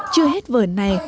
chưa hết vở này